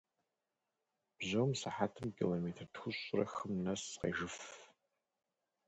Бжьом сыхьэтым километр тхущӏрэ хым нэс къежыф.